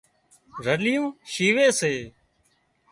رليون شيوي سي